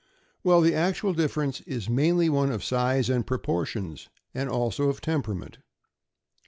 Well, the actual difference is mainly one of size and proportions, and also of temperament.